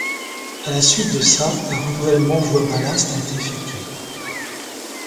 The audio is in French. À la suite de ça, un Renouvellement Voie Ballast a été effectué.